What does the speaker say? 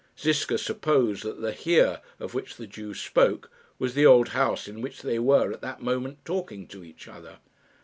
Ziska supposed that the "here" of which the Jew spoke was the old house in which they were at that moment talking to each other.